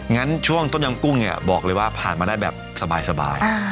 งั้นช่วงต้มยำกุ้งเนี่ยบอกเลยว่าผ่านมาได้แบบสบาย